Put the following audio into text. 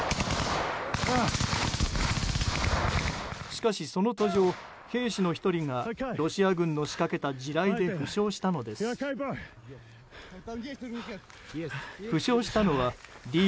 しかし、その途上兵士の１人がロシア軍の仕掛けた地雷で負傷したのです。